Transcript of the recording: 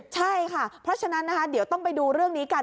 ใช่ค่ะเพราะฉะนั้นนะคะเดี๋ยวต้องไปดูเรื่องนี้กัน